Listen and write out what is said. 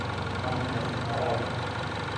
มันหมายถึงอะไร ?